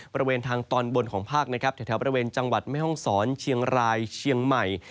บริเวณทางตอนบนของภาคนะครับแถวบริเวณจังหวัดแม่ห้องศรเชียงรายเชียงใหม่